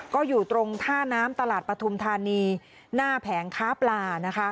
ก็อยู่ตรงท่าน้ำตลาดปฐุมธานีหน้าแผงค้าปลานะคะ